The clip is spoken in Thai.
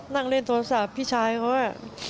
นั่งเล่นโทรศัพท์พี่ชายเขา